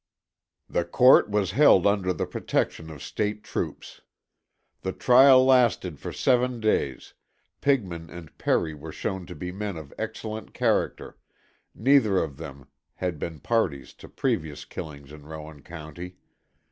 "The court was held under the protection of State troops. The trial lasted for seven days. Pigman and Perry were shown to be men of excellent character, neither of them had been parties to previous killings in Rowan County.